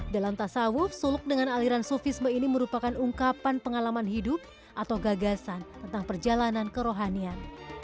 dalam tasawuf suluk dengan aliran sufisme ini merupakan ungkapan pengalaman hidup atau gagasan tentang perjalanan kerohanian